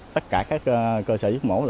tất cả các cơ sở giết mổ